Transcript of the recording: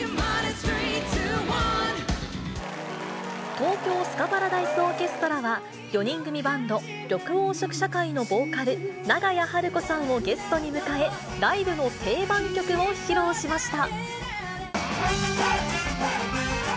東京スカパラダイスオーケストラは、４人組バンド、緑黄色社会のボーカル、長屋晴子さんをゲストに迎え、ライブの定番曲を披露しました。